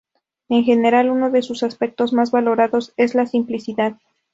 En general, uno de sus aspectos más valorados es la simplicidad.